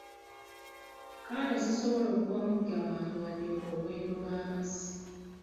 Kale sisobola kuwa muggya wange yadde olwendo lw'amazzi.